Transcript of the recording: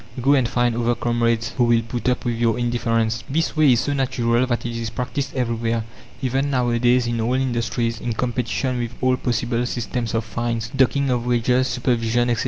Go and find other comrades who will put up with your indifference!" This way is so natural that it is practiced everywhere, even nowadays, in all industries, in competition with all possible systems of fines, docking of wages, supervision, etc.